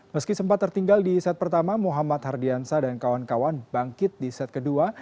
meski sempat tertinggal di set pertama muhammad hardiansa dan kawan kawan bangkit di set kedua